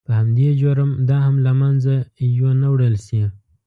په همدې جرم دا هم له منځه یو نه وړل شي.